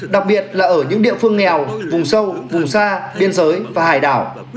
đặc biệt là ở những địa phương nghèo vùng sâu vùng xa biên giới và hải đảo